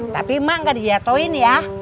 tapi mak nggak di jatohin ya